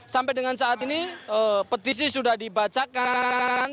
sampai dengan saat ini petisi sudah dibacakan